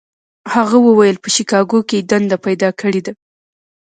هغه وویل په شیکاګو کې یې دنده پیدا کړې ده.